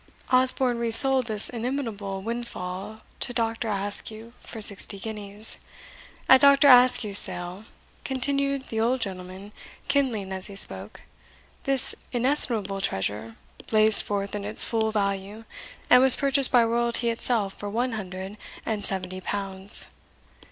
Osborne resold this inimitable windfall to Dr. Askew for sixty guineas. At Dr. Askew's sale," continued the old gentleman, kindling as he spoke, "this inestimable treasure blazed forth in its full value, and was purchased by Royalty itself for one hundred and seventy pounds!